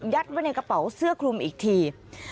ไว้ในกระเป๋าเสื้อคลุมอีกที